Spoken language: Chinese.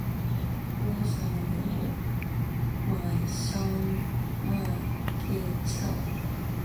我想要购买小米汽车。